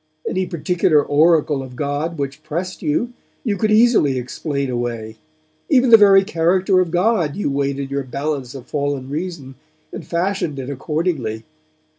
Any particular Oracle of God which pressed you, you could easily explain away; even the very character of God you weighed in your balance of fallen reason, and fashioned it accordingly.